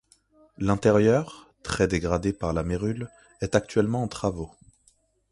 L'intérieur, très dégradé par la mérule, est actuellement en travaux.